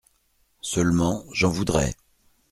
Seulement, j’en voudrais…